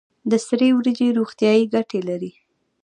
د سرې وریجې روغتیایی ګټې لري.